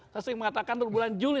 saya sering mengatakan untuk bulan juli